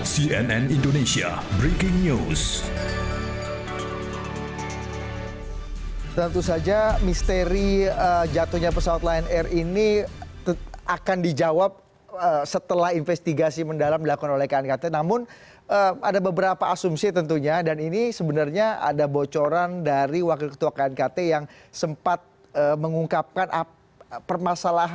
cnn indonesia breaking news